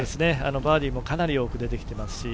バーディーもかなり多く出てきていますし。